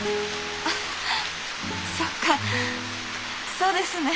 あそっかそうですね。